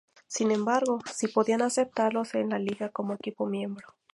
Sin embargo sí podían aceptarlos en la liga como equipo miembro.